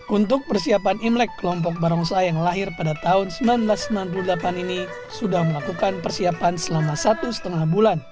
untuk persiapan imlek kelompok barongsai yang lahir pada tahun seribu sembilan ratus sembilan puluh delapan ini sudah melakukan persiapan selama satu setengah bulan